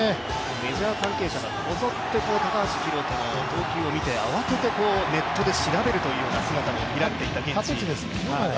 メジャー関係者がこぞって高橋宏斗の投球を見て慌ててネットで調べるというような姿も見られていました二十歳ですからね、彼は。